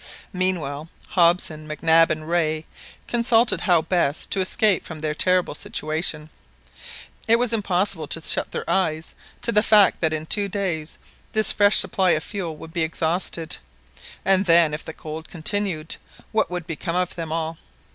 Meanwhile Hobson, Mac Nab, and Rae consulted bow best to escape from their terrible situation. It was impossible to shut their eyes to the fact that in two days this fresh supply of fuel would be exhausted, and then, if the cold continued, what would become of them all?